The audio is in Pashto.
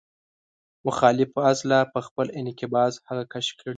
مخالفه عضله په خپل انقباض هغه کش کړي.